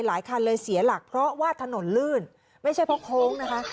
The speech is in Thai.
คันเลยเสียหลักเพราะว่าถนนลื่นไม่ใช่เพราะโค้งนะคะ